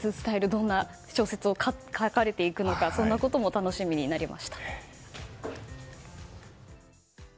どんな小説を書かれていくかそんなことも楽しみになりました。